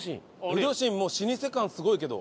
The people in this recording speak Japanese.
江戸信もう老舗感すごいけど。